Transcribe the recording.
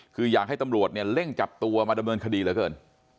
คืออยากให้ตำรวจเนี่ยเร่งจับตัวมาดำเนินคดีเหลือเกิน